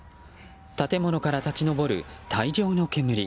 建物から立ち上る大量の煙。